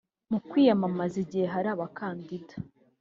mu kwiyamamaza igihe hari abakandida